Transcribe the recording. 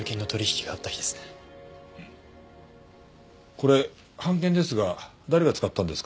これ半券ですが誰が使ったんですか？